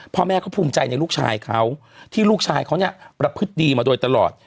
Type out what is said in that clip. พ่อแม่เขาภูมิใจในลูกชายเขาที่ลูกชายเขาเนี่ยประพฤติดีมาโดยตลอด